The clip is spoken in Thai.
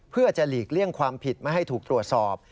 เพื่อจะหลีกเลี่ยงความผิดไม่ให้ถูกตรวจสอบ